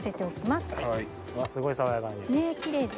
すごい爽やかに。